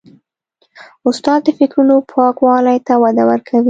استاد د فکرونو پاکوالي ته وده ورکوي.